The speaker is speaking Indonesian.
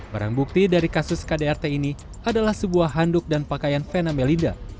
barang bukti dari kasus kdrt ini adalah sebuah handuk dan pakaian vena melinda